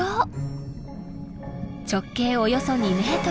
直径およそ２ｍ